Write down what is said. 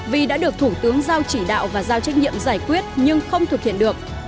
vì đã được thủ tướng giao chỉ đạo và giao trách nhiệm giải quyết nhưng không thực hiện được